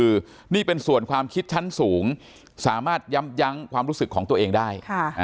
คือนี่เป็นส่วนความคิดชั้นสูงสามารถย้ำยั้งความรู้สึกของตัวเองได้